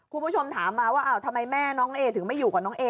คุณผู้ชมถามมาว่าทำไมแม่น้องเอถึงไม่อยู่กับน้องเอ